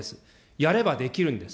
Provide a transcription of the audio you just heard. やればできるんです。